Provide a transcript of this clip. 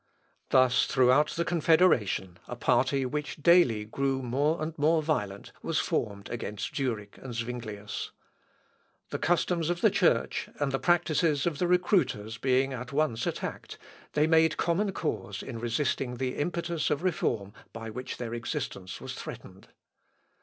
Thus throughout the confederation a party which daily grew more and more violent was formed against Zurich and Zuinglius. The customs of the Church and the practices of the recruiters being at once attacked, they made common cause in resisting the impetus of Reform by which their existence was threatened.